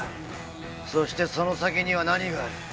そしてその先には何がある？